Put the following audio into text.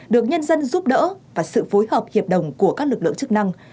được nhân dân giúp đỡ và sự phối hợp hiệp đồng của các lực lượng chức năng